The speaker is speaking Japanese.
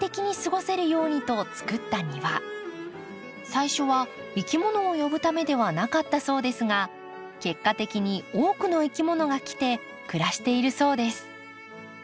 最初はいきものを呼ぶためではなかったそうですが結果的に多くのいきものが来て暮らしているそうです。